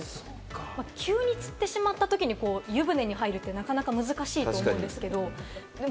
急につってしまったときに湯船に入るって、なかなか難しいと思うんですけれども。